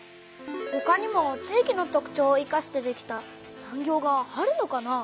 ほかにも地域の特ちょうをいかしてできた産業があるのかな？